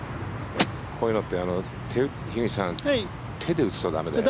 こういうのって樋口さん手で打つと駄目だよね。